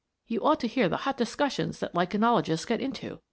You ought to hear the hot discussions that lichenologists get into.